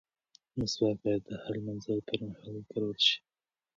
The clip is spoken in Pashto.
مسواک باید د هر لمانځه پر مهال وکارول شي.